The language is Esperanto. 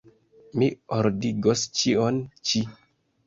Mi ordigos ĉion ĉi.